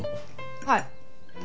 はい。